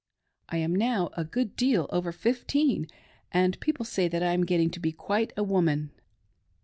I am now a good deal over fifteen, and people say that I am getting to be quite a woman.